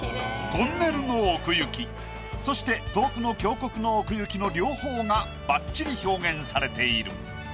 トンネルの奥行きそして遠くの峡谷の奥行きの両方がばっちり表現されている。